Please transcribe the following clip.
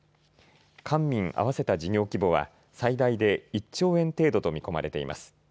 官民合わせた事業規模は最大で１兆円程度と見込まれています。